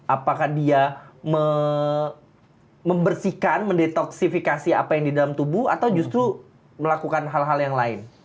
apakah dia membersihkan mendetoksifikasi apa yang di dalam tubuh atau justru melakukan hal hal yang lain